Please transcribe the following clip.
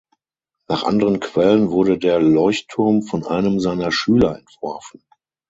Nach anderen Quellen wurde der Leuchtturm von einem seiner Schüler entworfen.